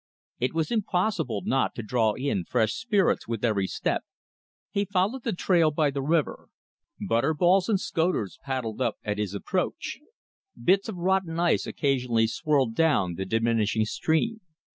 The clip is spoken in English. It was impossible not to draw in fresh spirits with every step. He followed the trail by the river. Butterballs and scoters paddled up at his approach. Bits of rotten ice occasionally swirled down the diminishing stream.